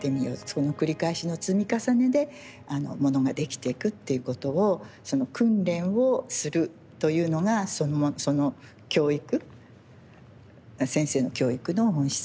その繰り返しの積み重ねでものが出来ていくっていうことをその訓練をするというのがその教育先生の教育の本質だったんじゃないかなと思ってます。